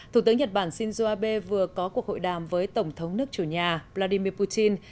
thủ tướng nhật bản shinzo abe vừa có cuộc hội đàm với tổng thống nước chủ nhà vladimir putin